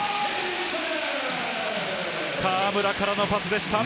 河村からのパスでした。